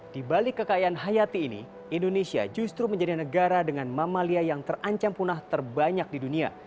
di balik kekayaan hayati ini indonesia justru menjadi negara dengan mamalia yang terancam punah terbanyak di dunia